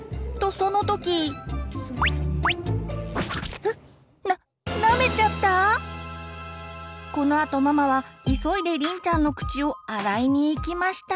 このあとママは急いでりんちゃんの口を洗いに行きました。